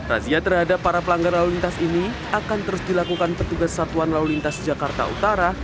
razia terhadap para pelanggar lalu lintas ini akan terus dilakukan petugas satuan lalu lintas jakarta utara